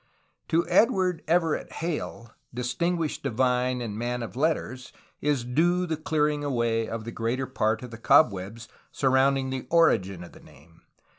To Edward Everett Hale, distinguished divine and man of letters, is due the clearing away of the greater part of the cobwebs surrounding the origin of the name.